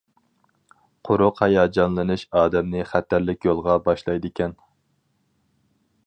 قۇرۇق ھاياجانلىنىش ئادەمنى خەتەرلىك يولغا باشلايدىكەن.